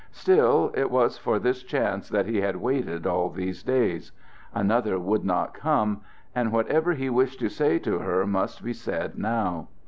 Still, it was for this chance that he had waited all these days. Another would not come; and whatever he wished to say to her must be said now.